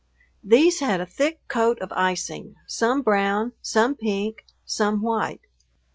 These had a thick coat of icing, some brown, some pink, some white.